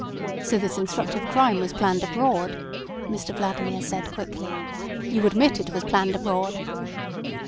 "So this instructive crime was planned abroad," Mr Vladimir said quickly. "You admit it was planned abroad?"